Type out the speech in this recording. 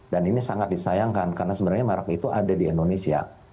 dan ini sangat disayangkan karena sebenarnya merek itu ada di indonesia